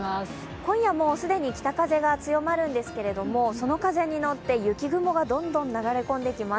今夜も北風が強まるんですけどもその風に乗って雪雲がどんどん流れ込んできます。